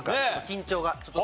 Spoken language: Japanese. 緊張が。